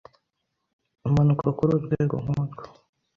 Manuka kuri urwego nk'urwo